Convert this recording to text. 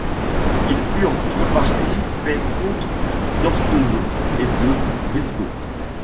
Il fut en contrepartie fait comte d'Ortenau et de Brisgau.